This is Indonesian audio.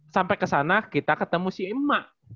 sampai ke sana kita ketemu si emak